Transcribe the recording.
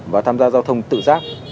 và tham gia giao thông tự giác